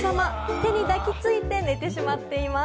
手に抱きついて寝ちゃってます。